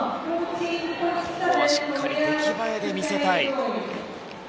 しっかり出来栄えで見せたい。